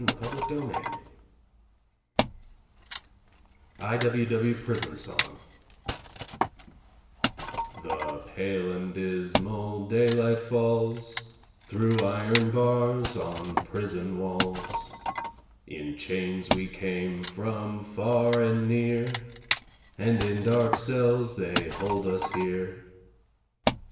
W. W. PRISON SONG (Tune: "The Red Flag") The pale and dismal daylight falls Through iron bars on prison walls. In chains we came from far and near, And in dark cells they hold us here.